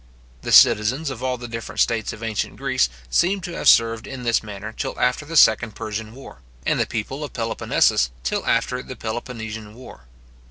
The citizens of all the different states of ancient Greece seem to have served in this manner till after the second Persian war; and the people of Peloponnesus till after the Peloponnesian war.